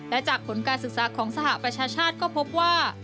และจากผลการศึกษาของสหประชาชาติก็พบว่า